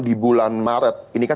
di bulan maret ini kan